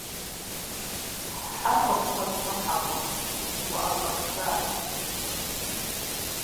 - Хьэр къыпщӏэдгъэхьакъым, укъыӏэщӏэтхащ.